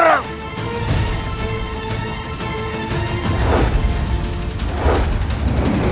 kedai yang menangis